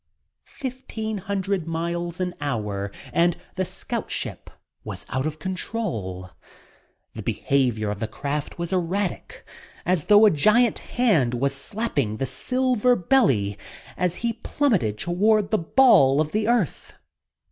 Fifteen hundred miles an hour and the scout ship was out of control! The behavior of the craft was erratic, as though a giant hand was slapping the silver belly as he plummeted toward the ball of the earth.